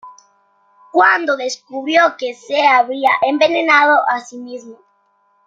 Cuando descubrió que se había envenenado a sí mismo.